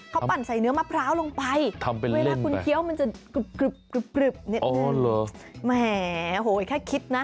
เขาปั่นใส่เนื้อมะพร้าวลงไปเวลาคุณเคี้ยวมันจะกรึบ